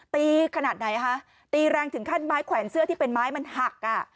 ขนาดไหนคะตีแรงถึงขั้นไม้แขวนเสื้อที่เป็นไม้มันหักอ่ะ